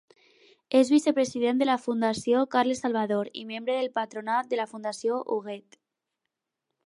És vicepresident de la Fundació Carles Salvador i membre del patronat de la Fundació Huguet.